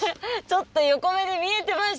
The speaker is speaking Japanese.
ちょっと横目で見えてました。